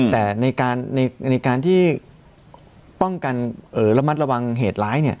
แต่ในการที่ป้องกันระมัดระวังเหตุร้าย